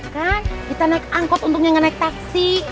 kan kita naik angkot untungnya nggak naik taksi